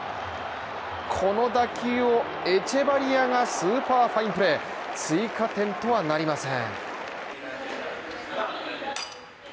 この打球を、エチェバリアがスーパーファインプレー、追加点とはなりません。